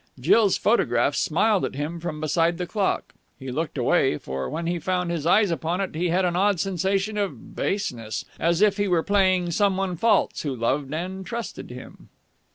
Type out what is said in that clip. Jill's photograph smiled at him from beside the clock. He looked away, for, when he found his eyes upon it, he had an odd sensation of baseness, as if he were playing some one false who loved and trusted him.